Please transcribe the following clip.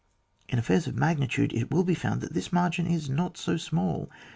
In affairs of magnitude it will be found that this margin is not so small.